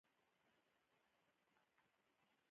ملالۍ څنګه میړنۍ وه؟